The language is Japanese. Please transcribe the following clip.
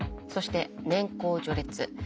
そして年功序列。